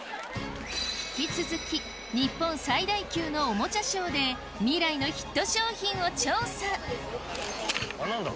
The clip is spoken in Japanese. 引き続き日本最大級のおもちゃショーで未来のヒット商品を調査何だ？